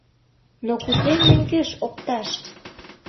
Но кузе мӧҥгеш опташ?